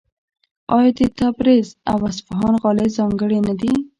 آیا د تبریز او اصفهان غالۍ ځانګړې نه دي؟